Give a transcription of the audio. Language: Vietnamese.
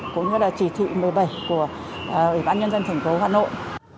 cũng như là chỉ thị một mươi bảy của ủy ban nhân dân thành phố hà nội